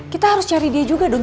kita harus cari dia juga dong